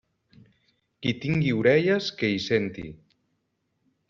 Qui tingui orelles que hi senti.